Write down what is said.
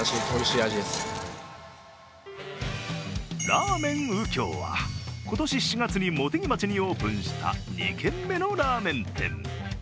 らーめん右京は今年７月に茂木町にオープンした２軒目のラーメン店。